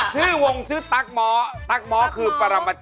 สวัสดีครับ